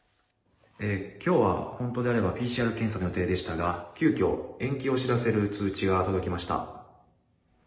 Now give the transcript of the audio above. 今日は本当であればＰＣＲ検査の予定でしたが急きょ延期を知らせる通知が届きました。